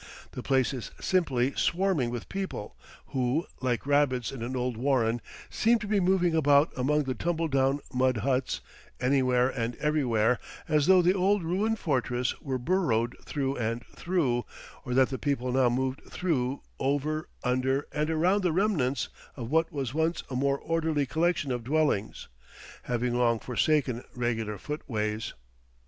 The place is simply swarming with people, who, like rabbits in an old warren, seem to be moving about among the tumble down mud huts, anywhere and everywhere, as though the old ruined fortress were burrowed through and through, or that the people now moved through, over, under, and around the remnants of what was once a more orderly collection of dwellings, having long forsaken regular foot ways.